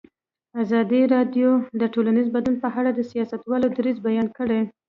ازادي راډیو د ټولنیز بدلون په اړه د سیاستوالو دریځ بیان کړی.